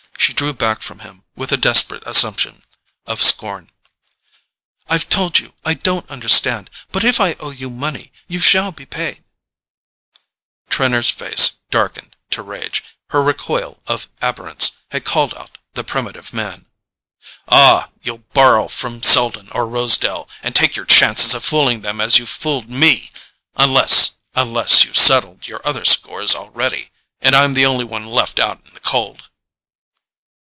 She drew back from him with a desperate assumption of scorn. "I've told you I don't understand—but if I owe you money you shall be paid——" Trenor's face darkened to rage: her recoil of abhorrence had called out the primitive man. "Ah—you'll borrow from Selden or Rosedale—and take your chances of fooling them as you've fooled me! Unless—unless you've settled your other scores already—and I'm the only one left out in the cold!"